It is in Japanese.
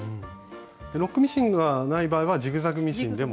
ロックミシンがない場合はジグザグミシンでも。